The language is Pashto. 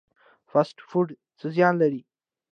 فاسټ فوډ څه زیان لري؟